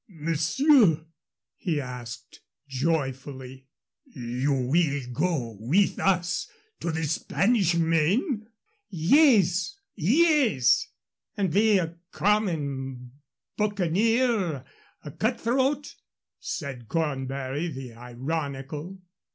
"Monsieur," he asked, joyfully, "you will go with us to the Spanish Main?" "Yes, yes!" "And be a common boucanier, a cutthroat?" said Cornbury the ironical.